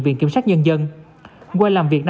viện kiểm sát nhân dân qua làm việc